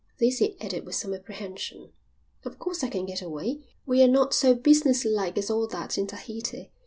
This he added with some apprehension. "Of course I can get away. We're not so businesslike as all that in Tahiti."